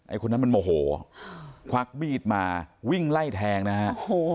คนนั้นมันโมโหควักมีดมาวิ่งไล่แทงนะฮะโอ้โห